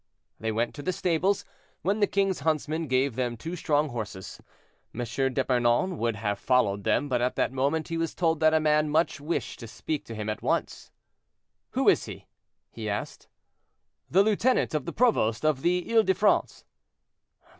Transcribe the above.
They went to the stables, when the king's huntsman gave them two strong horses. M. d'Epernon would have followed them, but at that moment he was told that a man much wished to speak to him at once. "Who is he?" he asked. "The lieutenant of the provost of the Ile de France."